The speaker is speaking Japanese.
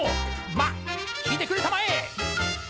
まっきいてくれたまえ。